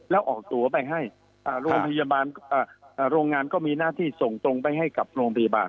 แล้วออกตัวไปให้โรงพยาบาลโรงงานก็มีหน้าที่ส่งตรงไปให้กับโรงพยาบาล